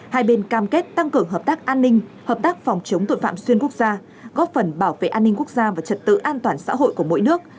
hai bên cam kết tăng cường hợp tác an ninh hợp tác phòng chống tội phạm xuyên quốc gia góp phần bảo vệ an ninh quốc gia và trật tự an toàn xã hội của mỗi nước